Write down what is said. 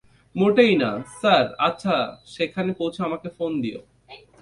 মোটেই না, স্যার আচ্ছা সেখানে পৌছে আমাকে ফোন দিও।